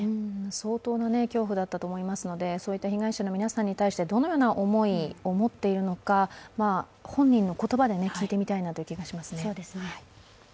相当な恐怖だったわけでそういった被害者の皆さんに対して、どのような思いを持っているのか本人の言葉で聞いてみたいなという気がしますね。